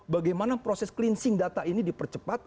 bagaimana proses cleansing data ini dipercepat